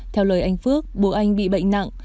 theo lời anh phước bố anh bị bệnh nặng